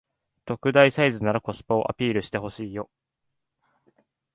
特大サイズならコスパをアピールしてほしいよ